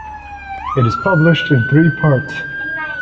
It is published in three parts.